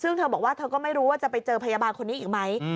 ซึ่งเธอบอกว่าเธอก็ไม่รู้ว่าจะไปเจอพยาบาลคนนี้อีกไหม